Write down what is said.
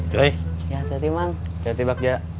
kalau sampai tidur kita tinggalin